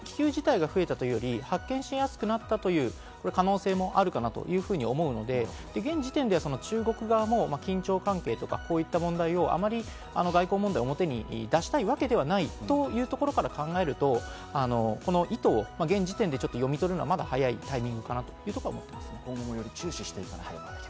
気球自体が増えたというよりも、発見しやすくなった可能性もあるかなと思うので、現時点では中国側も緊張関係とか、こういった問題を、あまり外交問題を表に出したいわけではないというところから考えると、この意図を現時点で読み取るのは、まだ早いかなというところ思います。